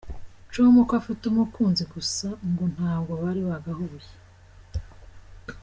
com ko afite umukunzi, gusa ngo ntabwo bari bagahuye.